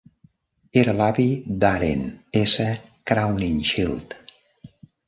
Era l'avi d'Arent S. Crowninshield.